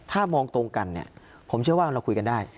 ถ้ามองตรงกันเนี่ยผมเชื่อว่าเราคุยกันได้